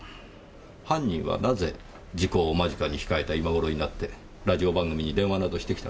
犯人はなぜ時効を間近に控えた今頃になってラジオ番組に電話などしてきたのでしょう？